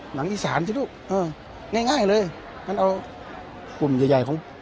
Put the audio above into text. หนังอีสานสิลูกเออง่ายง่ายเลยมันเอากลุ่มใหญ่ใหญ่ของ